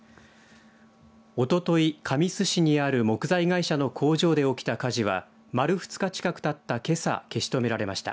おととい、神栖市にある木材会社の工場で起きた火事は丸２日近くたったけさ消し止められました。